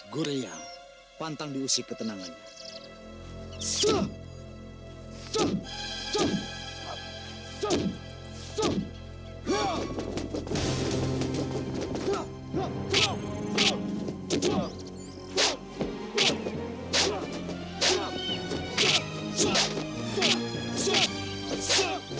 guriyang pantang diusik ketenangannya